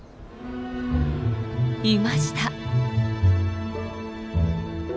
いました！